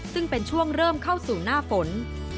ซึ่งเป็นช่วงเริ่มเข้าสู่หน้าฝน